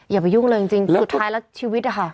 อย่าไปยุ่งเลยจริงสุดท้ายแล้วชีวิตอะค่ะ